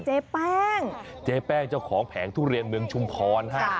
เจ๊แป้งเจ๊แป้งเจ้าของแผงทุเรียนเมืองชุมพรฮะ